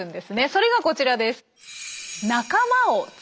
それがこちらです。